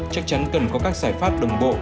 chắc chắn cần có các giải pháp đồng bộ